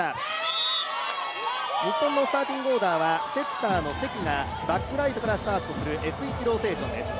日本のスターティングオーダーはセッターの関がバックライトからスタートするＳ１ローテーションです。